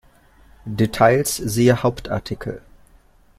Details siehe Hauptartikel.